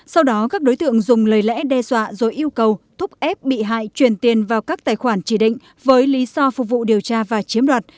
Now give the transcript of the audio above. sau đó các đối tượng dùng lời lẽ đe dọa rồi yêu cầu thúc ép bị hại truyền tiền vào các tài khoản chỉ định với lý do phục vụ điều tra và chiếm đoạt